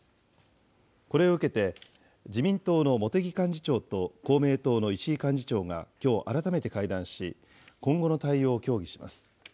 これを受けて、自民党の茂木幹事長と公明党の石井幹事長がきょう、改めて会談し、今後の対応を協議します。